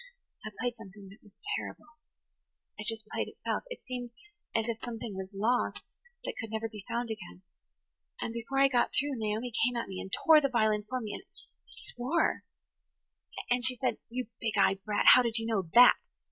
I played something that was terrible–it just played itself–it seemed as if something was lost that could never be found again. And before I got through Naomi came at me, and tore the violin from me, and–swore. And she said, 'You big eyed brat, how did you know that?